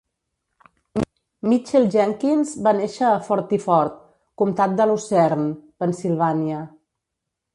Mitchell Jenkins va néixer a Forty Fort, comtat de Lucerne, Pennsylvania.